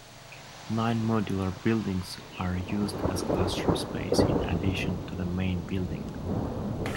Nine modular buildings are used as classroom space in addition to the main building.